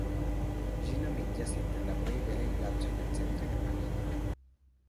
Ĝi nomiĝas inter la plej belaj placoj de Centra Germanio.